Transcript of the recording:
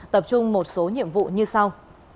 tập trung một số nhiệm vụ như sau